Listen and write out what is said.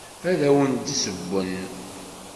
Ad awent-d-ssewwen.